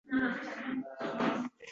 Axir, ona suti shirali-ku